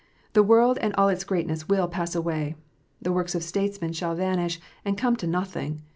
The world and all its greatness will pass away. The works of statesmen shall vanish and come to nothing.